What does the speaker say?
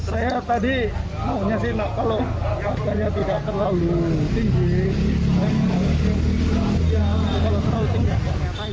saya tadi kalau tidak terlalu tinggi